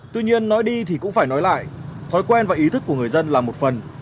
tuy nhiên nói đi thì cũng phải nói lại thói quen và ý thức của người dân là một phần